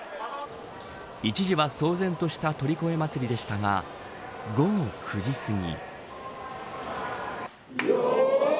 一時は騒然とした鳥越祭でしたが午後９時すぎ。